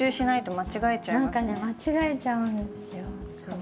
何かね間違えちゃうんですよ。